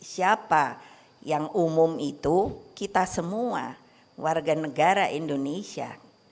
siapa yang umum itu kita semua warga negara indonesia